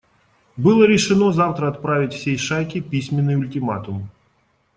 Было решено завтра отправить всей шайке письменный ультиматум.